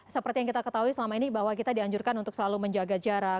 seperti yang kita ketahui selama ini bahwa kita dianjurkan untuk selalu menjaga jarak